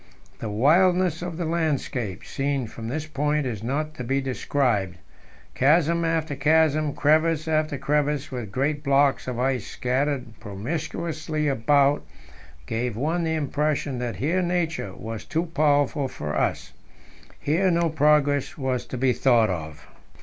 The wildness of the landscape seen from this point is not to be described; chasm after chasm, crevasse after crevasse, with great blocks of ice scattered promiscuously about, gave one the impression that here Nature was too powerful for us. Here no progress was to be thought of.